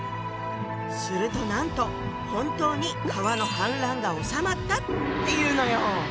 するとなんと本当に川の氾濫がおさまったっていうのよ！